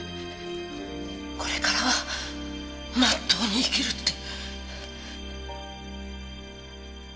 これからはまっとうに生きるって。